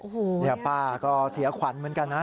โอ้โหเนี่ยป้าก็เสียขวัญเหมือนกันนะ